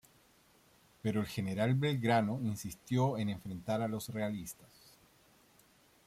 Pero el general Belgrano insistió en enfrentar a los realistas.